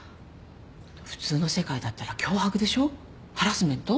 普通の世界だったら脅迫でしょ？ハラスメント？